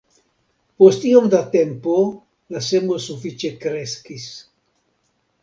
Post iom da tempo, la semo sufiĉe kreskis.